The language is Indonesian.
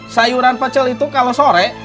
sayuran pecel itu kalau sore